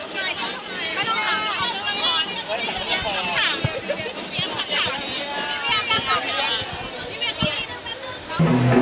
ริ้วเตียงมาจากหกแพงอะ